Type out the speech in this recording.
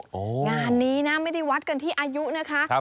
งานนี้นะไม่ได้วัดกันที่อายุนะคะ